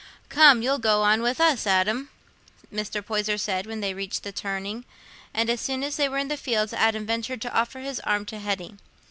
"Come, you'll go on with us, Adam," Mr. Poyser said when they reached the turning; and as soon as they were in the fields Adam ventured to offer his arm to Hetty.